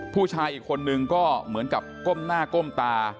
ผู้ชายอีกคนนึงก็เหมือนกับก้มหน้าก้มตา